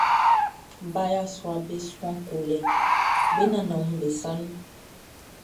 Ba yasuaʼm be suan kolɛ be nannanʼm be sa nun.